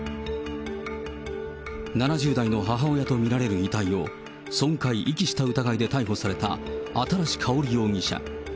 ７０代の母親と見られる遺体を、損壊・遺棄した疑いで逮捕された新かほり容疑者。